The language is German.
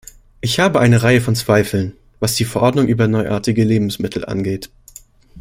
Ich habe eine Reihe von Zweifeln, was die Verordnung über neuartige Lebensmittel angeht.